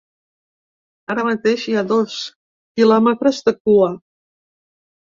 Ara mateix hi ha dos quilòmetres de cua.